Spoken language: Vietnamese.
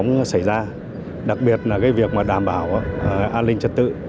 các điểm nóng xảy ra đặc biệt là việc đảm bảo an ninh trật tự